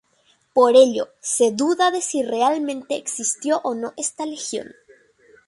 Por ello, se duda de si realmente existió o no esta legión.